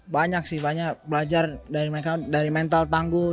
banyak sih banyak belajar dari mereka dari mental tangguh